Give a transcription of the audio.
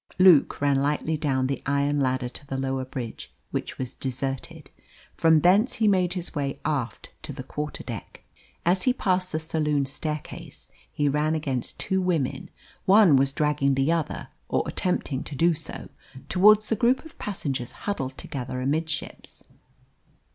Luke ran lightly down the iron ladder to the lower bridge, which was deserted. From thence he made his way aft to the quarter deck. As he passed the saloon staircase he ran against two women; one was dragging the other, or attempting to do so, towards the group of passengers huddled together amidships.